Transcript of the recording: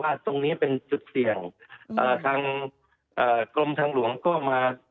ตรงนี้เป็นจุดเสี่ยงทางกรมทางหลวงก็มา